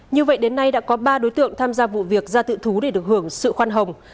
như vậy đến nay đã có ba đối tượng tham gia vụ việc ra tự thú để được hưởng sự khoan hồng